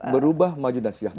berubah maju dan sejahtera